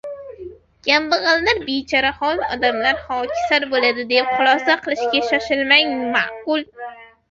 Kambag‘allar, bechorahol odamlar xokisor bo‘ladi, deb xulosa qilishga shoshilmagan ma’qul.